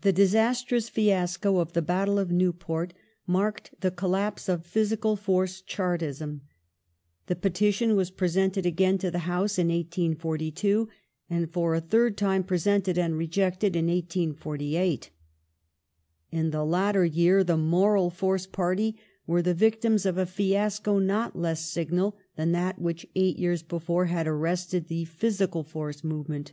The disastrous fiasco of the " Battle of Newport " marked the collapse of " physical force " Chartism. The petition was presented again to the House in 1842, and for a third time presented and rejected in 184<8. In the latter year the " moral force " party were the victims of a fiasco not less signal than that which eight yeai*s before had arrested the "physical force" movement.